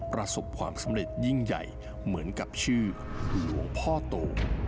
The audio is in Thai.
ประสบความสำเร็จยิ่งใหญ่เหมือนกับชื่อหลวงพ่อโต